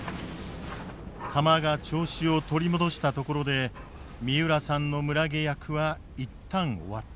釜が調子を取り戻したところで三浦さんの村下役は一旦終わった。